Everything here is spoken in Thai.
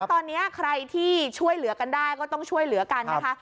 ตอนนี้ใครที่ช่วยเหลือกันได้ก็ต้องช่วยเหลือกันนะคะ